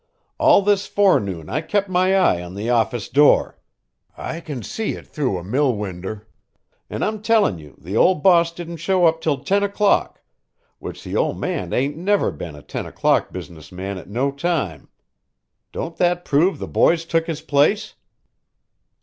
All this forenoon I kept my eye on the office door I can see it through a mill winder; an' I'm tellin' you the old boss didn't show up till ten o'clock, which the old man ain't never been a ten o'clock business man at no time. Don't that prove the boy's took his place?"